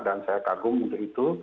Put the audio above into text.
dan saya kagum untuk itu